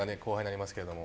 なりますけども。